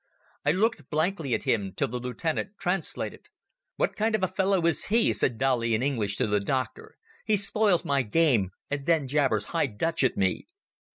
I looked blankly at him till the lieutenant translated. "What kind of fellow is he?" said Dolly in English to the doctor. "He spoils my game and then jabbers High Dutch at me."